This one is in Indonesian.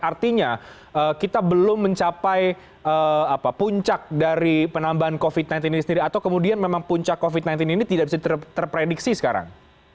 artinya kita belum mencapai puncak dari penambahan covid sembilan belas ini sendiri atau kemudian memang puncak covid sembilan belas ini tidak bisa terprediksi sekarang